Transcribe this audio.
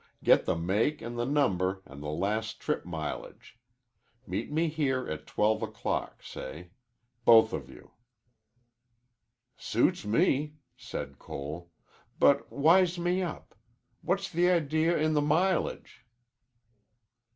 Get the make an' the number an' the last trip mileage. Meet me here at twelve o'clock, say. Both of you." "Suits me," said Cole. "But wise me up. What's the idea in the mileage?"